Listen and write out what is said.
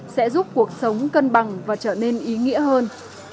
sẽ giúp cuộc sống cân bằng và trở nên ý nghĩa hơn